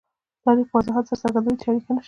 تاریخ په وضاحت سره څرګندوي چې اړیکه نشته.